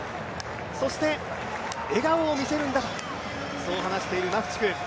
そして、笑顔を見せるんだとそう話しているマフチク。